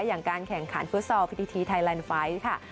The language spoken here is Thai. อย่างการแข่งขันฟุตซอลพิธีทีไทยแลนด์ไฟท์ค่ะ